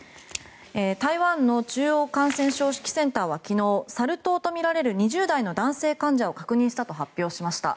台湾の中央感染症指揮センターは昨日サル痘とみられる２０代の男性患者を確認したと発表しました。